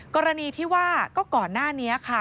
กรณีที่ว่าก็ก่อนหน้านี้ค่ะ